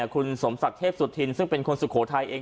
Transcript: คุณสมศักดิ์เทพสุธินซึ่งเป็นคนสุโขทัยเอง